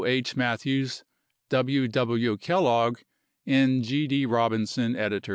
H. Matthews, W. W. Kellogg, and G. D. Robinson, eds.